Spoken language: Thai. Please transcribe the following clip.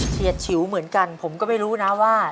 เฉียชิวเหมือนกันผมก็ไม่รู้นะว่า